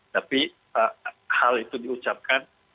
tapi hal itu diucapkan